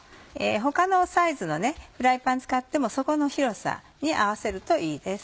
他のサイズのフライパン使っても底の広さに合わせるといいです。